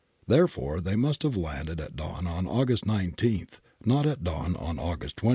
Therefore they must have landed at dawn on August 19, not at dawn on August 20.